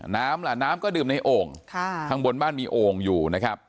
น้ำล่ะน้ำก็ดื่มในโอ่งข้างบนบ้านมีโอ่งอยู่นะครับ